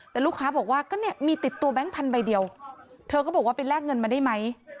แต่ลูกค้าบอกว่าก็เนี่ยมีติดตัวแบงค์พันใบเดียวเธอก็บอกว่าไปแลกเงินมาได้ไหม